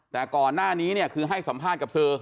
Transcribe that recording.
แต่ก่อนหน้านี้เนี่ยคือให้สัมภาษณ์กับสื่อ